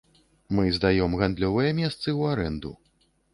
Мы здаем гандлёвыя месцы ў арэнду.